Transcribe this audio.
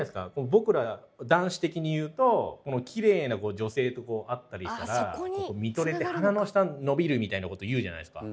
僕ら男子的にいうときれいな女性とこう会ったりしたら見とれて鼻の下伸びるみたいなこと言うじゃないですか。